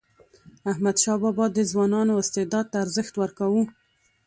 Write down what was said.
احمدشاه بابا د ځوانانو استعداد ته ارزښت ورکاوه.